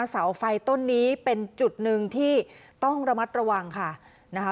เสาไฟต้นนี้เป็นจุดหนึ่งที่ต้องระมัดระวังค่ะนะคะ